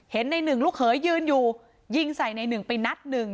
ในหนึ่งลูกเขยยืนอยู่ยิงใส่ในหนึ่งไปนัดหนึ่ง